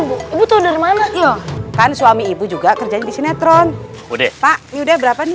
bu ibu tahu dari mana tuh kan suami ibu juga kerja di sinetron udah pak yudha berapa nih